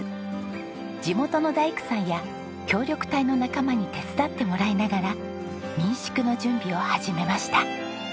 地元の大工さんや協力隊の仲間に手伝ってもらいながら民宿の準備を始めました。